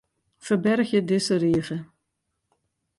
Ferbergje dizze rige.